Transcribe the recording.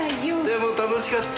でも楽しかった。